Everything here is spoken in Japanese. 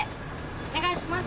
お願いします。